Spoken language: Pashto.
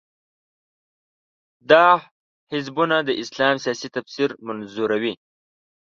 دا حزبونه د اسلام سیاسي تفسیر منظوروي.